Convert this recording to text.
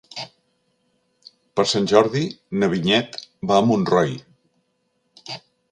Per Sant Jordi na Vinyet va a Montroi.